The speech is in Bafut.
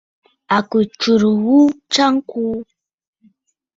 À kɨ tsurə ghu ntsya ŋkuu.